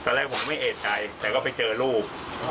ตอนแรกผมก็ไม่เอกใจแต่ก็ไปเจอลูก